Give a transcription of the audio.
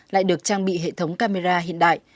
lại được trang bị hệ thống camera hiện đại